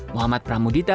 muhammad pramudi mengatakan